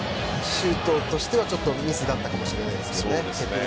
シュートとしては、ちょっとミスだったかもしれないですね。